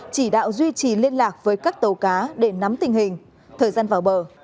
chỉ đạo duy trì liên lạc với các tàu cá để nắm tình hình thời gian vào bờ